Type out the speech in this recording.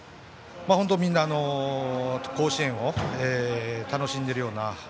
本当に、みんな甲子園を楽しんでいるような。